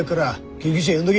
救急車呼んどけ！